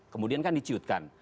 kemudian kan diciutkan